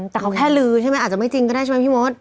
แต่เขาแค่ลือใช่ไหมอาจจะไม่จริงก็ได้ใช่ไหมพี่มด